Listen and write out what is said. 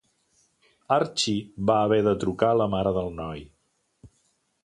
Archi va haver de trucar la mare del noi.